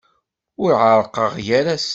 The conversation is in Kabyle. Ur ɛerrqeɣ gar-asent.